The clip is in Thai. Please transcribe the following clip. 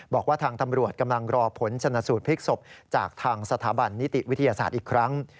บอกว่าทางตำรวจกำลังรอผลชนสูตรพลิกศพจากทางสถาบันนิติวิทยาศาสตร์อีกครั้ง